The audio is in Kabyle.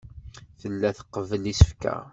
Tella tqebbel isefka.